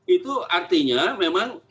itu artinya memang